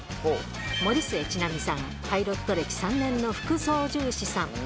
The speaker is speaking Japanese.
森末ちなみさん、パイロット歴３年の副操縦士さん。